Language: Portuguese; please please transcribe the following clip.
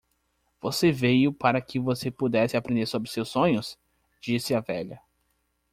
"Você veio para que você pudesse aprender sobre seus sonhos?" disse a velha.